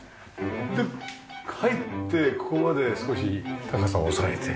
で入ってここまで少し高さを抑えて。